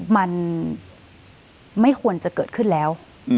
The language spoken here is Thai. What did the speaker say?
มันไม่ควรจะเกิดขึ้นแล้ว